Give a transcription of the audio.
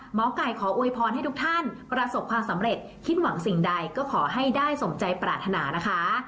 หมอไก่ขออวยพรให้ทุกท่านประสบความสำเร็จคิดหวังสิ่งใดก็ขอให้ได้สมใจปรารถนานะคะ